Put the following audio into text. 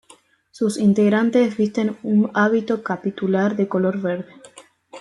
Sus integrantes visten un hábito capitular de color verde.